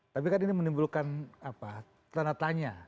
tapi kan ini menimbulkan tanda tanya